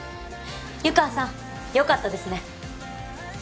湯川さん良かったですね。